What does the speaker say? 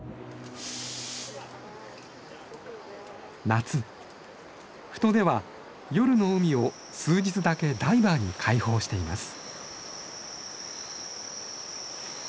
夏富戸では夜の海を数日だけダイバーに開放しています。